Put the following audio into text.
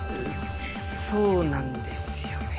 そうなんですよね。